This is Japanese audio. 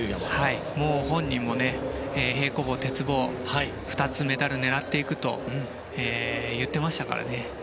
本人も平行棒、鉄棒と２つメダル狙っていくと言ってましたからね。